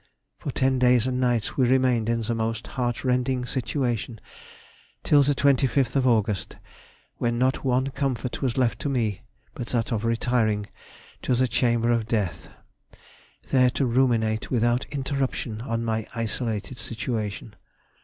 For ten days and nights we remained in the most heartrending situation till the 25th of August, when not one comfort was left to me but that of retiring to the chamber of death, there to ruminate without interruption on my isolated situation.